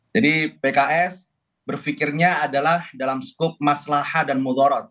jadi pks berfikirnya adalah dalam skopi